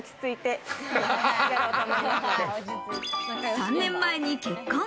３年前に結婚。